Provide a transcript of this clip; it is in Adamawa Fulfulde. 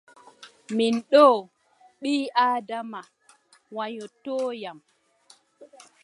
Min ɗo, ɓii-Aadama waƴƴotoyam.